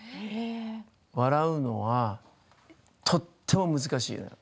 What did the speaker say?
笑うのはとても難しいよね。